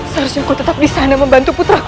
seharusnya aku tetap disana membantu putraku